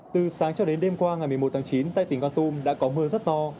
từ sáng cho đến đêm qua ngày một mươi một tháng chín tại tỉnh con tum đã có mưa rất to